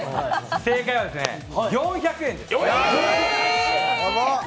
正解は４００円です！